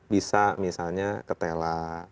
bisa misalnya ketela